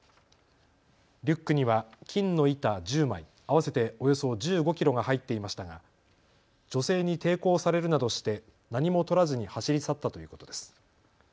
リュックには金の板１０枚合わせておよそ１５キロが入っていましたが女性に抵抗されるなどして何もとらずに走り去ったということです。